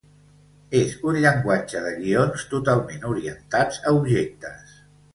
És un llenguatge de guions totalment orientat a objectes.